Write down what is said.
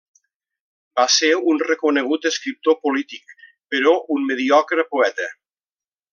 Va ser un reconegut escriptor polític, però un mediocre poeta.